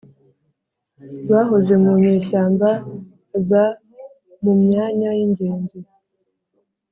bahoze mu nyeshyamba za mu myanya y’ingenzi